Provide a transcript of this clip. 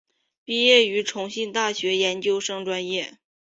毕业于重庆大学研究生专业。